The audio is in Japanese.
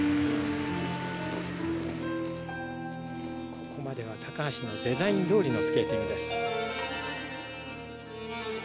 ここまでは橋のデザインどおりのスケーティングです。